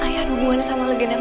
tapi aku bisa mencari tahu